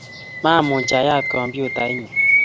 ma amuch ayaat kompyutaitnyu